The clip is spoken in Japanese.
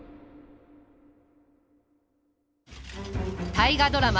大河ドラマ